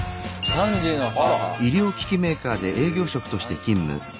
３児の母。